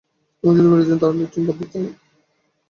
আমি শুধু ভেবেছিলাম, তারা ল্যাটিন বাদ দিচ্ছেনা শুনে আপনি খুশি হবেন।